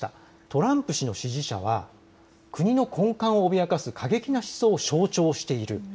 トランプ氏の支持者は国の根幹を脅かす過激な思想を象徴している。